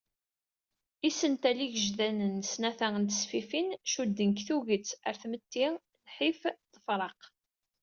Isental igejdanen n snat-a n tesfifin, cudden deg tuget ɣer tmetti, lḥif, lfiraq.